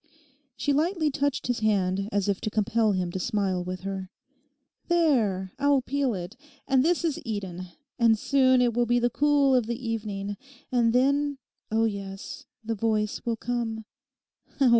She lightly touched his hand as if to compel him to smile with her. 'There, I'll peel it; and this is Eden; and soon it will be the cool of the evening. And then, oh yes, the voice will come.